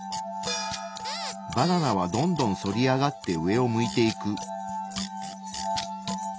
バナナはどんどん反り上がって上を向いていく。